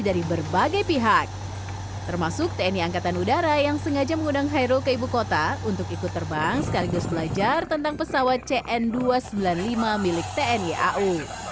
dari berbagai pihak termasuk tni angkatan udara yang sengaja mengundang hairul ke ibu kota untuk ikut terbang sekaligus belajar tentang pesawat cn dua ratus sembilan puluh lima milik tni au